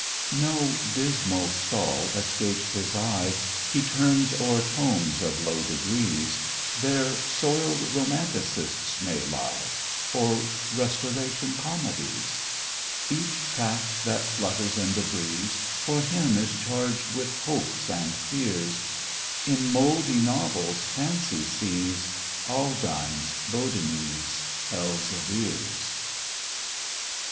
No dismal stall escapes his eye, He turns o'er tomes of low degrees, There soiled romanticists may lie, Or Restoration comedies; Each tract that flutters in the breeze For him is charged with hopes and fears, In mouldy novels fancy sees Aldines, Bodonis, Elzevirs.